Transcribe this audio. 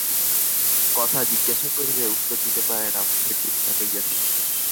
কথা জিজ্ঞাসা করিলে উত্তর দিতে পারে না, মুখের দিকে তাকাইয়া থাকে।